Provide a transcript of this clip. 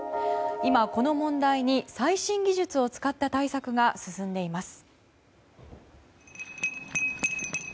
今、この問題に最新技術を使った対策が進んでいます。